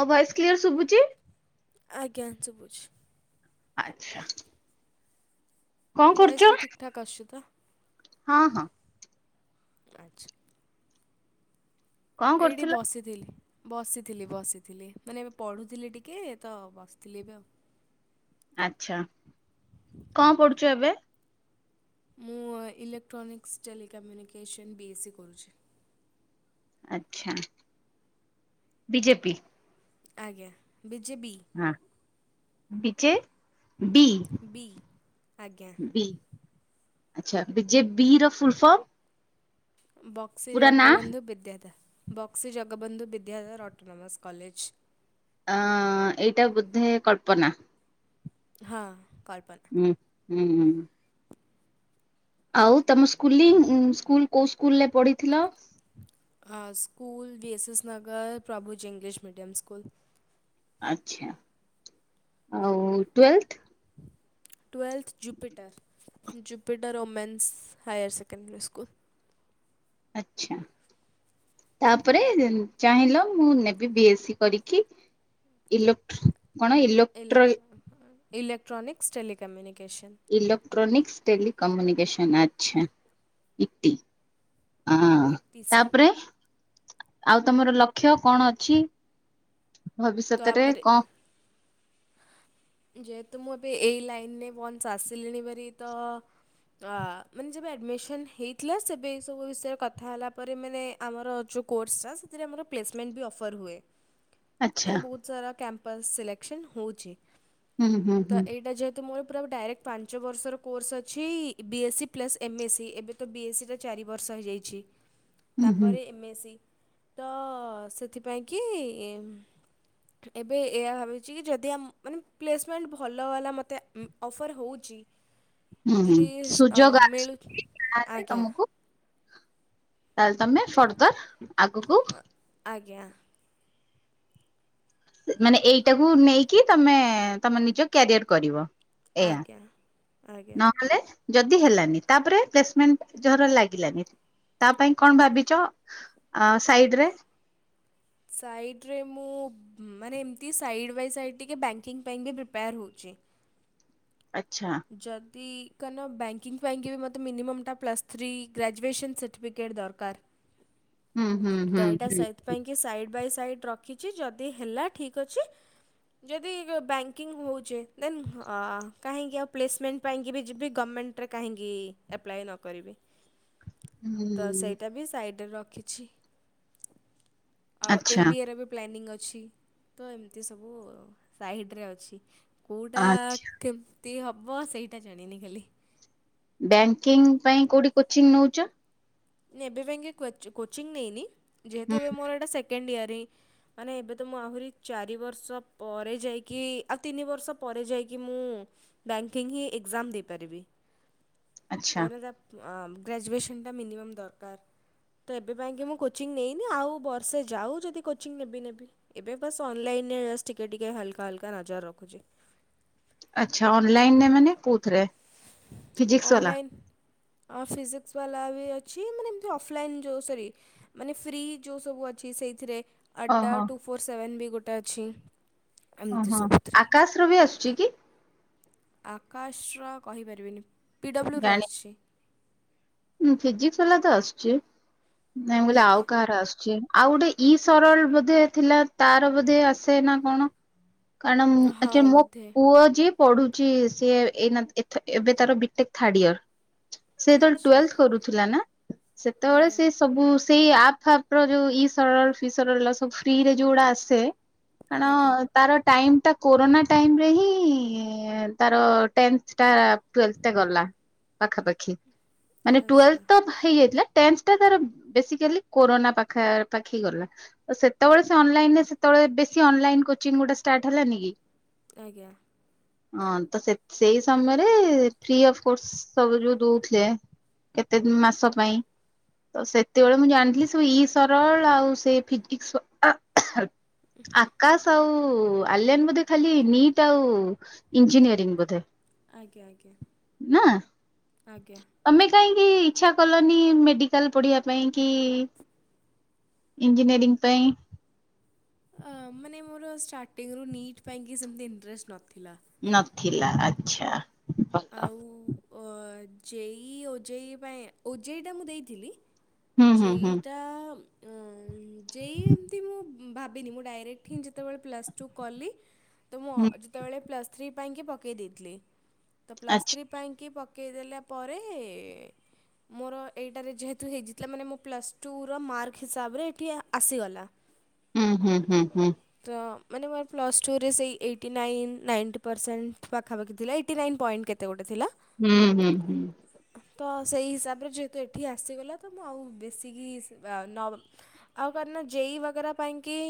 ମୋ voice clear ଶୁଭୁଛି? ଆଜ୍ଞା ଶୁବୁଚି। ଆଛା ମୋ କଣ ଭଏସ୍ କରୁଛ? ବି ଠିକ୍ ଠାକ୍ ଆସୁଛି ତ? ହଁ ହଁ। ଆଚ୍ଛା। କଣ ଏଇଠି କରୁଥିଲ? ବସିଥିଲି। ବସିଥିଲି ବସିଥିଲି ମାନେ ଏବେ ପଢ଼ୁଥିଲି ଟିକେ ତ ବସିଥିଲି ଏବେ ଆଉ। କଣ ପଢୁଛ ଏବେ? ମୁଁ electronics telecommunication B A C କରୁଛି। ଆଛା ବିଜେପି। ଆଜ୍ଞା ବିଜେବି। ହଁ। ବି ବି। ବି ଆଜ୍ଞା। ଆଛା ବି ଯେ ବି ର ଫୁଲ ଫର୍ମ। ବକ୍ସି ପୁରା ନା ଜଗବନ୍ଧୁ ବିଦ୍ୟାଧା ବକ୍ସି ଜଗବନ୍ଧୁ ବିଦ୍ୟାଧାର ଅଟୋନୋମସ୍ କଲେଜ୍। ଆଁ ଏଇଟା ବୋଧେ କଳ୍ପନା। ହଁ କଳ୍ପନ ହୁଁ ହୁଁହୁଁ। ଆଉ ତମ ସ୍କୁଲିଙ୍ଗ ସ୍କୁଲ କୋଉ ସ୍କୁଲରେ ପଢିଥିଲ? School B S S Nagar Prabhuji English medium school. ଆଛା ଆଉ twelfth? Twelfth Jupiter. Jupiter women's higher secondary school. ଆଛା ତାପରେ ଚାହିଁଲ ମୁଁ ନେ ବିଏସି କରିକି ଇଲୋ କଣ ଇଲୋ ଇଲୋ ଇଲେକ୍ଟ୍ରାନିକସ୍ ଟେଲିିକମ୍ୟୁନିକେସନ୍। ଇଲେକ୍ଟ୍ରାନିକ୍ସ ଟେଲିିକମ୍ୟୁନିକସନ୍ ଆଛ ଇଟି। ହଁ ଇଟିସି। ତାପରେ ଆଉ ତମର ଲକ୍ଷ୍ୟ କଣ ଅଛି ତ ଭବିଷ୍ୟତରେ ଆପରେ କଣ ଯେହେତୁ ମୁଁ ଏବେ ଏଇ ଲାଇନରେ ଅଞ୍ଚେ ଆସିଲିଣି ଭାରି ତ ଆ ମାନେ ଯେବେ ଆଡ଼ମିସନ୍ ହେଇଥିଲା ସେବେ ଏ ସବୁ ବିଷୟରେ କଥା ହେଲା ପରେ ମାନେ ଆମର ଯଉ କୋର୍ସଟା ସେଥିରେ ଆମର ପ୍ଲେସମେଣ୍ଟ ବି ଅଫର୍ ହୁଏ। ଆଚ୍ଛା। ମାନେ ବହୁତ ସାରା କ୍ୟାମ୍ପସ ସିଲେକେସନ ହଉଛି ହୁଁ ହୁଁ ତ ହୁଁ ଏଇଟା ଯେ ତ ମୋର ପୁରା ଡାଇରେକ୍ଟ ପାଞ୍ଚ ବର୍ଷର କୋର୍ସ ଅଛି B S C plus MS C ଏବେ ତ ବି ଏସ୍ ସି ଟା ଚାରି ବର୍ଷ ହେଇଯାଇଚି ହୁଁ ହୁଁ ତାପରେ ଏମ୍ଏସି ତ ସେଥିପାଇଁ କି ଏବେ ଏହା ଭାବିଚି କି ଯଦ୍‌ ଦେଆ ମାନେ ପ୍ଲେସମେଣ୍ଟ୍ ଭଲ ବାଲା ମୋତେ ଅଫର୍ ହେଉଚି। ହୁଁ ହୁଁ ଯଦି ଅ ସୁଯୋଗ ସେଲ୍‌ ଆଧାରରେ ଆଜ୍ଞା। ତମକୁ ତାହେଲେ ତମେ ଫର୍ଦର ଆଗୁକୁ ଆଜ୍ଞା। ମାନେ ଏଇଟାକୁ ନେଇକି ତମେ ତମ ନିଜ କ୍ୟାରିୟର କରିବ। ଏୟା ଆଜ୍ଞା ଆଜ୍ଞା ନହେଲେ ଯଦି ହେଲାନି ତାପରେ ପ୍ଲେସମେଣ୍ଟର ଝର ଲାଗିଲାନି ତା ପାଇଁ କଣ ଭାବିଚ? ଆ ସାଇଡ ରେ। ସାଇଡ ରେ ମୁଁ ମାନେ ଏମିତି ସାଇଡ଼୍ ବାଇ ସାଇଡ଼୍ ଟିକେ ବ୍ୟାଙ୍କିଙ୍ଗ୍ ପାଇଁ ବି ପ୍ରିପେୟାର୍ ହେଉଛି। ଆଛା। ଯଦି କାରଣ ବ୍ୟାଙ୍କିଙ୍ଗ୍ ଫ୍ୟାଙ୍କି ବି ମୋତେ ମିନିମମ୍ଟା ପ୍ଲସ୍ ଥ୍ରୀ ଗ୍ରାଜୁଏସନ୍ ସାର୍ଟିଫିକେଟ୍ ହୁଁ ହୁଁ ଦରକାର। ହୁଁ ତ ଏଇଟା ହୁଁ। ସହିତ ପାଇଁକି ସାଇଡ଼୍ ବାଇ ସାଇଡ଼୍ ରଖିଛି ଯଦି ହେଲା ଠିକ୍ ଅଛି ଯଦି ବ୍ୟାଙ୍କିଙ୍ଗ ହୋଉଛେ ଦେନ୍ ଅ କାହିଁକି ଆଉ ପ୍ଲେସମେଣ୍ଟ ପାଇଁକି ବି ଯିବି ଗଭର୍ଣ୍ଣମେଣ୍ଟରେ କାହିଁକି ଆପ୍ଲାଏ ନ କରିବି। ତ ହୁଁ ସେଇଟା ବି ସାଇଡରେ ରଖିଛି। ଆଉ ଏମ୍ ଆଚ୍ଛା ବି ଏର ବି ପ୍ଲାନିଂ ଅଛି ତ ଏମିତି ସବୁ ସାଇଡ଼ରେ ଅଛି। କୋଉଟା ଆ କେମିତି ହେବ ସେଇଟା ଜାଣିନି ଖାଲି। ବ୍ୟାଙ୍କିଙ୍ଗ ପାଇଁ କୋଉଠି କୋଚିଂ ନୋଉଛ। ନାଇଁ ଏବେ ପାଇଁକି କୋଚ୍ କୋଚିଂ ନେଇନି ହୁଁ ଯେହେତୁ ଏବେ ମୋର ଏଇଟା ସେକେଣ୍ଡ ଇୟର୍ ହିଁ ମାନେ ଏବେ ତ ମୁଁ ଆହୁରି ଚାରି ବର୍ଷ ପରେ ଯାଇକି ଆଉ ତିନି ବର୍ଷ ପରେ ଯାଇକି ମୁଁ ବ୍ୟାଙ୍କିଙ୍ଗ ହିଁ ଏଗ୍ଜାମ ଦେଇପାରିବି। ଆଚ୍ଛା କାରଣ ତା ଆମ୍ ଗ୍ରାଜୁଏସନ୍ ଟା ମିନିମମ୍ ଦରକାର। ତ ଏବେ ପାଇଁକି ମୁଁ କୋଚିଂ ନେଇନି ଆଉ ବର୍ଷେ ଯାଉ ଯଦି କୋଚିଂ ନେବି ନେବି। ଏବେ ବାସ୍ ଅନଲାଇନରେ ସ୍ ଟିକେ ଟିକେ ହାଲକା ହାଲକା ନଜର ରଖୁଛି। ଆଚ୍ଛା ଅନ୍ଲାଇନରେ ମାନେ କୋଉଥିରେ? ଫିଜିକ୍ସ ବାଲା? ଅନନ୍ଲାଇନ୍ ଆ ଫିଜିକ୍ସ ବାଲା ବି ଅଛି ମାନେ ଏମିତି ଅଫଲାଇନ୍ ଯେଉଁ ସରି ମାନେ ଫ୍ରି ଯେଉଁ ସବୁ ଅଛି ସେଇଥିରେ ଆଡ୍ଡା ଓହୋ ଟୁ ଫୋର୍ ସେଭେନ୍ ବି ଗୋଟେ ଅଛି। ଏମିତି ଓହୋ ସବୁଥିରେ ଆକାସରୁ ବି ଆସୁଛି କି? ଆକାଶର କହିପାରିବିନି ପି ଡବ୍ଲ୍ୟୁର ଅଛି। ହଁ ଫିଜିକସ ବାଲା ତ ଆସୁଛି ନାଇଁ ମୁଁ କହିଲି ଆଉ ଆଜ୍ଞା କାହାର ଆସୁଛି। ଆଉ ଗୋଟେ ଇ ସରଳ ବୋଧେ ଥିଲା ତାର ବୋଧେ ଆସେ ନା କଣ? କାରଣ ମୁ ହଁ ଆକେ ମୋ ବୋଧେ ପୁଅ ଯ ପଢୁଛି ସିଏ ଏନା ଏଥ ଏବେ ତାର ବିଟେକ ଥାର୍ଡ ଇୟର ସେତ ଆଚ୍ଛା କରୁଥିଲା ନା ସେତେବେଳେ ଆଜ୍ଞା ସେ ସବୁ ସେଇ ଆପ୍ ଫାପ ର ଯୋଉ ଇ ସରଳ ଫି ସରଳ ସବୁ ଫ୍ରିରେ ଯୋଉଗୁଡା ଆସେ ଆଜ୍ଞା କାରଣ ତାର ଟାଇମଟା କୋରୋନା ଟାଇମରେ ହିଁ ତାର ଟେନ୍ଥଟା ଟ୍ୱେଲ୍ଭ ଟା ଗଲା ପାଖାପାଖି ମାନେ ଆଚ୍ଛା ଟ୍ୱେଲ୍ଭତ ହେଇଯାଇଥିଲା ଟ୍ରେନଶ୍ ଟା ବେଶିକାଲି କୋରୋନା ପାଖପାଖି ଗଲା। ତ ସେତେବେଳେ ସେ ଅନଲାଇନରେ ସେତେବେଳେ ବେଶ ଅନଲାଇନ କୋଚିଗି ଗୁଡା ଷ୍ଟାର୍ଟ ହେଲାନି କି ଆଜ୍ଞା। ହଁ ତ ସେଇ ସମୟରେ ଫ୍ରି ଅଫ କୋର୍ସ ସବୁ ଯୋଉ ଦଉଥିଲେ। କେତେ ଦି ମାସ ପାଇଁ ତ ସେତେବେଳେ ମୁଁ ଜାଣିଥିଲି ସବୁ ଇ ସରଳ ଆଉ ସେ ଫିଜିକ୍ସ ଆକାଶ ଆଉ ଆଲିଆନ ବୋଧେ ଖାଲି ନିଟ୍ ଆଉ ଇଞ୍ଜିନିୟରିଂ ବୋଧେ ଆଜ୍ଞା ଆଜ୍ଞା ନା ଆଜ୍ଞା। ତମେ କାହିଁକି ଇଛା କଲନି ମେଡିକାଲ ପଢିବା ପାଇଁ କି [unintelligible] ଇଞ୍ଜିନିୟରିଂ ପାଇଁ? ଆ ମାନେ ମୋର ଷ୍ଟାର୍ଟିଂରୁୁ ନିଟ୍ ପାଇଁକି ସେମିତି ଇଣ୍ଟରେଷ୍ଟ ନଥିଲା। ନଥିଲା ଆଛା। ଆ ଆଉ ଜେ ଇ ଓ ଜେ ଇ ପାଇଁ ଓ ଜେ ଇ ଟା ମୁଁ ଦେଇଥିଲି ହୁଁ ଯେ ହୁଁ ଇ ହୁଁ ଟା ଯେ ଇ ଏମିତି ମୁଁ ଭାବିନି ମୁଁ ଡାଇରେକ୍ଟ ହିଁ ଯେତେବେଳେ ପ୍ଲସ୍ ଟୁ କଲି ତ ମୁଁ ହୁଁ ଅ ଯେତେବେଳେ ପ୍ଲସ୍ ଥ୍ରୀ ପାଇଁକି ପକେଇଦେଇଥିଲି। ତ ପ୍ଲସ ଆଚ୍ଛା ଥ୍ରି ପାଇଁକି ପକେଇଦେଲାପରେ ମୋର ଏଇଟାରେ ଯେହେତୁ ହେଇଯାଇଥିଲା ମାନେ ମଁ ପ୍ଲସ୍ ଟୁୁର ମାର୍କ ହିସାବରେ ଏଇଠି ଆସିଗଲା। [inaudible] ହୁଁ ହୁଁ ହୁଁ ହୁଁ। ତ ମାନେ ମୋର ପ୍ଲସ୍ ଟୁରେ ସେଇ ଏଇଟୀନାଇନ ନାଇଣ୍ଟି ପରସେଣ୍ଟ ପାଖାପଖି ଥିଲା ଏଇଟିନାଇନ ପଏଣ୍ଟ କେତେ ଗୋଟେ ଥିଲା ହୁଁ ହୁଁ। ତ ସେଇ ହିସାବରେ ଯେହେତୁ ଏଠି ଆସିଗଲା ତ ମୁଁ ଆଉ ବେଶିକି ସେବା ନ ଆଉ କରିନା ଜେଇ ବଗେରା ପାଇଁ କିି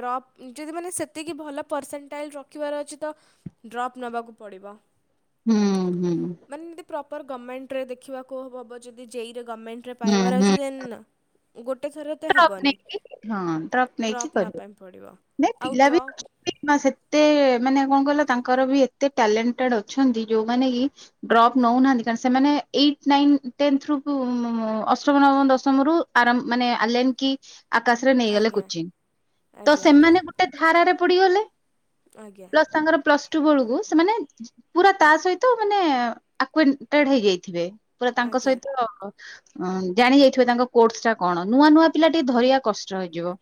ଡ୍ରପ୍ ଯଦି ମାନେ ସେତିକି ଭଲ ପରସେଣ୍ଟାଲ୍ ରଖିବାର ଅଛି ତ ଡ୍ରପ୍ ନେବାକୁ ପଡ଼ିବ ହୁଁ ହୁଁ। ମାନେ ଦି ପ୍ରପର୍ ଗର୍ଣ୍ଣମେଣ୍ଟରେ ଦେଖିବାକୁ ହେବ ଯଦି ଜେଇରେ ଗର୍ଣ୍ଣମେଣ୍ଟରେ ପାଇବାର ହୁଁ ହୁଁ ଅଛି ଦେନ୍ ଗୋଟେ ଥରପ୍ ଡ୍ରପ୍ ନେଇକି ହଁ ଡ୍ରପ୍ ନେଇକି ନେବା କରିବେ ପାଇଁ ପଡ଼ିବ ନାଇ ଆଉ ପିଲା ବି ଡ୍ରପ୍ କିନ୍ନା ସେତେ ମାନେ କଣ କିଲ ତାଙ୍କର ବି ଏତେ ଟ୍ୟାଲେଣ୍ଟେଡ ଅଛନ୍ତି ଯୋଉମାନେ ଏଇ ଡ୍ରପ ନଉନାହାନ୍ତି କାରଣ ସେମାନେ ଏଇ ଝ ନାଇନ୍ ଟେନ୍ଥ ରୁ ଅଷ୍ଟମ ନବମ ଦଶମ ରୁ ଆରମ୍ ମାନେ ଆଲେନ କି ଆକାଶରେ ନେଇଗଲେ ଆଜ୍ଞା କୁଚିନ୍ ତ ଆଜ୍ଞା ଆଜ୍ଞା ସେମାନେ ଗୋ ଟେ ଧାରାରେ ପଡିଗଲେ ଆଜ୍ଞା ପ୍ଲସ୍‌ତାଙ୍କର ପ୍ଲସ୍‌ ଷ୍ଟୁ ବେଳକୁ ସେମାନେ ପୁରା ତା ସହିତ ମାନେ ଆକ୍ୱେଣ୍ଟେଡ ହେଇଯାଇଥିବେ। ପୁରା ତାଙ୍କ ଆଜ୍ଞା ସହିତ ଜାଣି ଯାଇଥିବେ ତାଙ୍କ କୋର୍ସ ଟା କଣ ନୂଆ ନୂଆ ପିଲା ଟିକେ ଧରିବା କଷ୍ଟ ହେଇଯିବ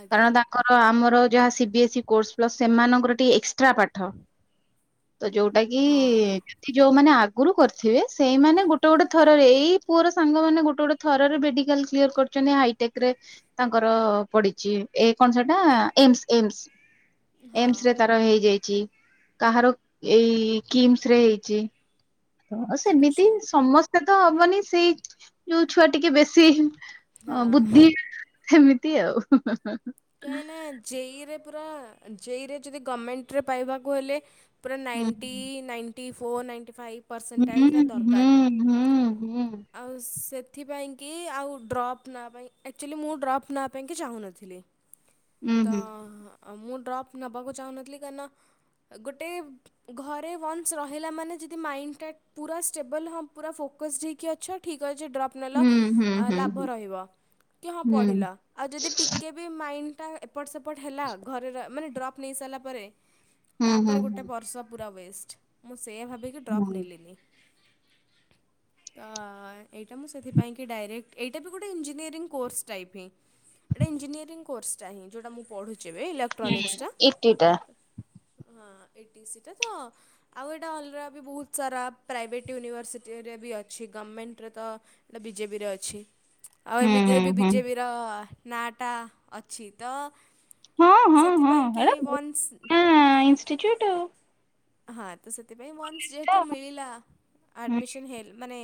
ଆଜ୍ଞା କାରଣ ତାଙ୍କର ଆମର ଯାହା ସିବି ଏସ୍ଇ କୋର୍ସ ପ୍ଲ ସେମାନଙ୍କର ଟିକେ ଏକ୍ସ ଟ୍ରା ପାଠ ତ ଯୋଉଟା କି ହଁ ହଁ ଯୋଉମାନେ ଆଗରୁ କରିଥିବେ ସେଇମାନେ ଗୋଟେ ଗୋଟେ ଥରରେ ଏଇ ପୁଅର ସାଙ୍ଗମାନୋନେ ଗୋଟେ ଗୋଟେ ଥରରେ ମେଡିକାଲ କ୍ଲିୟର କ ଚ଼ନ୍ତି ହାଇଟେକ ରେ ତାଙ୍କର ପଡି ଏ କଣ ସେଟା ଏମସ ଏମସ ଏମସ ହଁ ରେ ତା ହେଇଯାଇଛି କାହାର ଏଇ କିମ୍ସ ରେ ହେଇଛି। ଆଉ ସେମିତି ଆଚ୍ଛା ସମସ୍ତେ ତ ହବନି ସେଇ ଯୋଉ ଛୁଆ ଟିକେ ବେଶୀ ଅ ହଁ ବୁଦ୍ଧି ସେମିତି ଆଉ। କାହିଁ ନା ଜେଇରେ ପୁରା ଜେଇରେ ଯଦି ଗଭର୍ଣମେଣ୍ଟରେ ପାଇବାକୁ ହେଲେ ପୁରା ହୁଁ ninety ninety four ninety five ହୁଁ ପରର୍ସେଣ୍ଟାଜ୍ଟା ହୁଁ ହୁଁ ଦରକାର। ହୁଁ। ଆଉ ସେଥିପାଇଁକି ଆଉ ଡ୍ରପ୍ ନ ପାଇଁ ଆକ୍ଚୁଆଲି ମୁଁ ଡ୍ରପ୍ ନ ପାଇଁକି ଚାହୁଁନଥିଲି। ହୁଁ ତ ମୁଁ ଡ୍ରପ୍ ନବାକୁ ଚାହୁଁନଥିଲି କାରନ ଗୋଟେ ଘରେ ୱାନ୍ସ ରହିଲା ମାନେ ଯଦି ମାଇଣ୍ଡଟା ପୁରା ଷ୍ଟେବଲ୍ ହଁ ପୁରା ଫୋକସ୍ଡ ହେଇକି ଅଛ। ଠିକ୍ ଅଛି ଡ୍ରପ୍ ନେଲ ହୁଁ ହୁଁ ହୁଁ ଲାଭ ରହିବ କି ହଁ ହୁଁ ପଢ଼ିଲ ଆଉ ଯଦି ଟିକେ ମାଇଣ୍ଡ ଟା ଏପଟ ସେପ ହେଲା ଘରେ ର ମାନେ ଡ୍ରପ ନେଇସରିଲା ପରେ ହୁଁ ହୁଁ ତାପରେ ଗୋ ଟେ ବର୍ଷ ପୁରା ୱେଷ୍ଟ ମୁଁ ସେୟା ଭାବିକି ହୁଁ ଡ୍ରପ୍ ହୁଁ। ନେଲିନି। ତ ଏଇଟା ମୁଁ ସେଥିପାଇଁ କି ଡାଇରେକ୍ଟ ଏଇଟା ବି ଗୋଟେ ଇଞ୍ଜିନିୟରିଂ କୋର୍ସ ଟାଇପ୍ ହିଁ। ଏଇଟା ଇଞ୍ଜିନିୟରିଂ କୋର୍ସଟା ହିଁ ଯେଉଟା ମୁଁ ପଢୁଛି ଏ ଇଲେକ୍ଟ୍ରୋନିକ୍ସଟା। ଇଟିଟା ହଁ ଏଇଠି ସେଟା ତ ଆଉ ଏଇଟା ହଲ୍ର ବି ବହୁତ ସାରା ପ୍ରାଇଭେଟ୍ ୟୁନିଭର୍ସିଟିରେ ବି ଅଛି ଗଭର୍ଣ୍ଣମେଣ୍ଟରେ ତ ଏଟ ବିଜେପିରେ ଅଛି। ଆଉ ହୁଁ ଏମିତିରେ ହୁଁ ବି ହୁଁ ବିଜେପିର ନାଁଟା ଅଛି ତ ହଁ ହଁ ହଁ ସେଥିପାଇଁ କି ହେଟା ପୁରୁଣା ୱନ୍ସ ଇନଷ୍ଟିଚ୍ୟୁଟ ହଁ ତ ସେଥିପାଇଁ ୱାନ୍ସ ଯେହେତୁ ଆଉ। ମିଳିଲା। ହଁ। ଆଡ଼ମିସନ୍ ହେ ମାନେ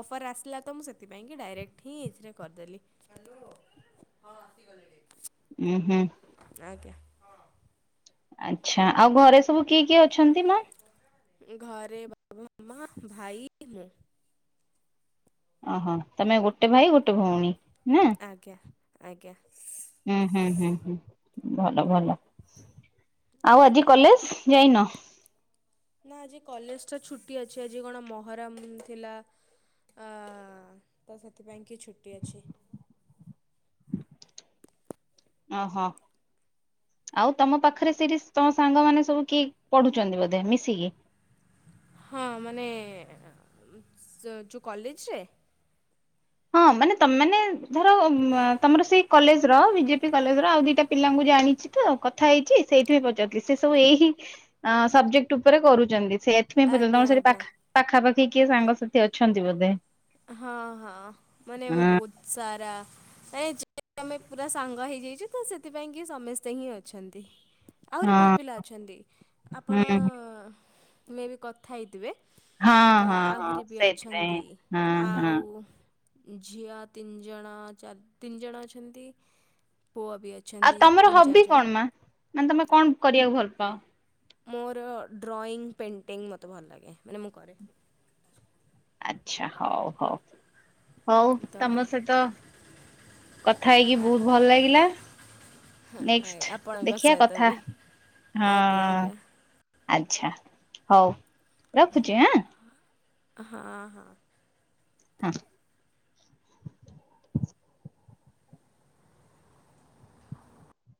ଅଫର୍ ଆସିଲା ତ ମୁଁ ସେଥିପାଇଁକି ଡାଇରେକ୍ଟ ହିଁ ଏଇଥିରେ କରିଦେଲି। ହାଲୋ ହଁ ଆସିଗଲେଣି। ଉୁଁ ହୁଁ। ଆଜ୍ଞା। ଆଚ୍ଛା ଆଉ ଘରେ ସବୁ କିଏ କିଏ ଅଛନ୍ତି ମା? ଏ ଘରେ ବାବା, ମା, ଭାଇ, ମୁଁ। ଓହୋ ତମେ ଗୋଟେ ଭାଇ ଗୋଟେ ଭଉଣୀ ନା? ଆଜ୍ଞା ଆଜ୍ଞା। ଉଁ ହୁଁ ହୁଁ ହୁଁ ଭଲ ଭଲ ଆଉ ଆଜି କଲେଜ? ଯାଇନ। ନା ଆଜି କଲେଜ ଟା ଛୁଟି ଅଛି ଆଜି କଣ ମହରମ ଥିଲା। ଆ ତ ସେଥିପାଇଁ କି ଛୁଟି ଅଛି। ଓହୋ। ଆଉ ତମ ପାଖରେ ସିରିସ ତମ ସାଙ୍ଗମାନେ ସବୁ କିଏ ପଢୁଛନ୍ତି ବୋଧେ ମିଶିକି? ହଁ ମାନେ ଏ ଉଁ ସ ଯଉ କଲେଜରେ? ହଁ ମାନେ ତମ ମାନେ ଧର ଉଁ ଆ ତମର ସେଇ କଲେଜର ବି ଜେ ପି କଲେଜ ର ଆଉ ଦିଟା ପିଲାଙ୍କୁ ଜାଣିଛି। ତ କଥା ହେଇଛି ସେଇଥିପାଇଁ ପଚାରୁଥିଲି ସେ ସବୁ ଏଇ ହିଁ ଅଁ ସବଜେକ୍ଟ ଉପରେ କରୁଛନ୍ତି ସେ ଥିପାଇଁ ପଚାରିଲି ଆଜ୍ଞା ତମର ସେଠି ଆଜ୍ଞା। ପାଖ ପାଖାପାଖି କିଏ ସାଙ୍ଗସାଥି ଅଛନ୍ତି ବୋଧେ। ହଁ ହଁ ମାନେ ଆମେ ହଁ ବହୁତ ସାରା। ନାଇଁ ଯେ ଆମେ ପୁରା ସାଙ୍ଗ ହେଇଯାଇଛୁ ତ ସେଥିପାଇଁ କି ସମେସ୍ତେ ହିଁ ଅଛନ୍ତି। ଆହୁରି ବହୁତ ହଁ। ପିଲା ଅଛନ୍ତି ହୁଁ ଆପଣ ହୁଁ ମେବି କଥା ହେଇଥିବେ। ହଁ ତ ହଁ ହଁ ଆହୁରି ବି ସେଇଥିପାଇଁ ଅଛନ୍ତି ହଁ ହଁ ଆଉ। ଉ ଇ ଝିଅ ତିନି ଜଣ ଚାର ତିନି ଜଣ ଅଛନ୍ତି ପୁଅ ବି ଅ ଆଉ ତମର ହବି କଣ ମା ମାନେ ତମେ କଣ କରିବାକୁ ଭଲ ପାଅ? ମୋର ଡ୍ରଇଂ ପେଣ୍ଟିଙ୍ଗ ମୋତେ ଭଲ ଲାଗେ ମାନେ ମୁଁ କରେ। ଆଚ୍ଛା ହଉ ହଉ ହଉ ତ ତମ ସହିତ। କଥା ହେଇକି ଆ- ବହୁତ ଭଲ ଲାଗିଲା। ଆ- ନେକ୍ସଟ ଆପଣଙ୍କ ଦେଖିଆ ସହିତ କଥା ବି ହଁ। ଆଜ୍ଞା ଆଜ୍ଞା। ଆଚ୍ଛା ହଉ ରଖୁଛି ଆଁ। ହଁ ହଁ ହଁ। ହଁ।